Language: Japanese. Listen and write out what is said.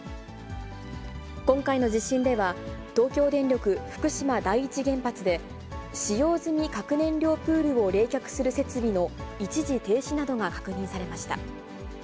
今回の地震では、東京電力福島第一原発で、使用済み核燃料プールを冷却する設備の一時停止などが確認されました。